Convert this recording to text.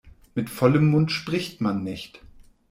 Mit vollem Mund spricht man nicht.